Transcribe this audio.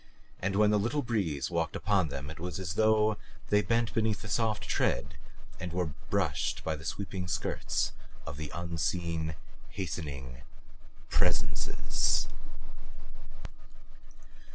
And when the little breeze walked upon them it was as though they bent beneath the soft tread and were brushed by the sweeping skirts of unseen, hastening Presences.